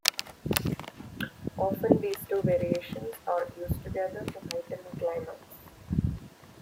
Often these two variations are used together to heighten a climax.